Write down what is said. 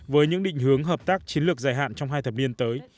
với những định hướng hợp tác chiến lược dài hạn trong hai thập niên tới